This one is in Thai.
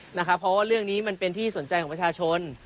เพราะว่าเรื่องนี้มันเป็นที่สนใจของประชาชน